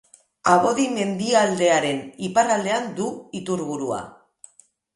Abodi mendialdearen iparraldean du iturburua.